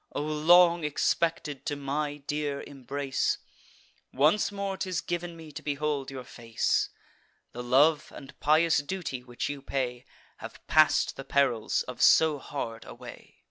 O long expected to my dear embrace! Once more 'tis giv'n me to behold your face! The love and pious duty which you pay Have pass'd the perils of so hard a way.